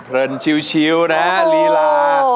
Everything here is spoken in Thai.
เลินชิวนะลีลา